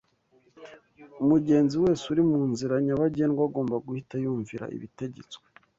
Umugenzi wese uri mu nzira nyabagendwa agomba guhita yumvira ibitegetswe